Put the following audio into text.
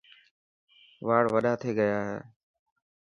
واڙ وڏا ٿي گيا هي.